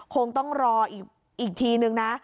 คงต้องรออีกทีนึงนะ